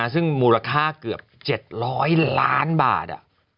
ซึ่งมูลค่าเกือบ๗๐๐ล้านบาท